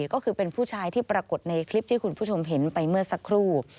ก็คือเป็นผู้ชายที่ปรากฏในคลิปที่คุณผู้ชมเห็นไปเมื่อสักครู่